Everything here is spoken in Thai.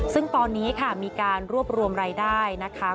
ซึ่งตอนนี้ค่ะมีการรวบรวมรายได้นะคะ